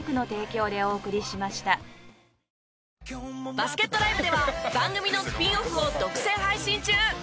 バスケットＬＩＶＥでは番組のスピンオフを独占配信中！